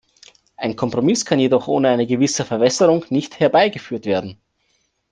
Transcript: Ein Kompromiss kann jedoch ohne eine gewisse Verwässerung nicht herbeigeführt werden.